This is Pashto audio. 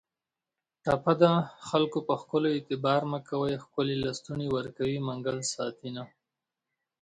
ټپه ده: خکلو په ښکلو اعتبار مه کوی ښکلي لستوڼي ورکوي منګل ساتینه